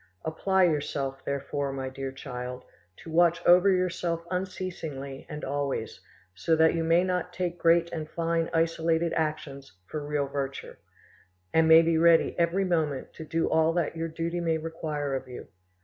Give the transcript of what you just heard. Apply yourself, therefore, my dear child, to watch over yourself unceasingly and always, so that you may not take great and fine isolated actions for real virtue, and may be ready every moment to do all that your duty may require of you.